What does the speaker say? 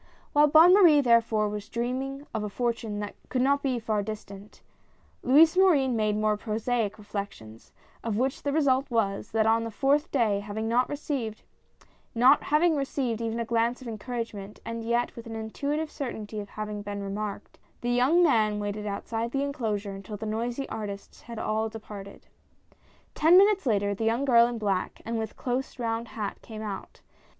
While Bonne Marie, therefore, was dreaming of a 116 HE comes! fortune that could not be far distant, Louis Morin made more prosaic reflections, of which the result was, that on the fourth day, not having received even a glance of encouragement, and yet with an intuitive certainty of having been remarked, the young man waited outside the enclosure until the noisy artists had all departed. Ten minutes later, the young girl in black, and with close round hat, came out.